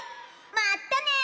まったね！